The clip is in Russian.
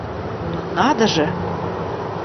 Но надо же!